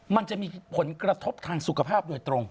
มันจะมีผลกระทบทางสุขภาพโดยตรง